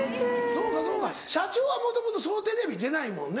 そうかそうか社長は元々そうテレビ出ないもんね。